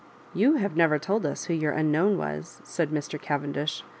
You have never told us who your unknown was," said Mr. Cavendish.